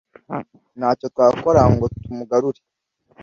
Nta cyo twakora ngo tumugarure